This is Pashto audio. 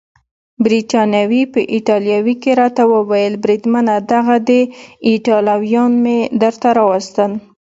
بریتانوي په ایټالوي کې راته وویل: بریدمنه دغه دي ایټالویان مې درته راوستل.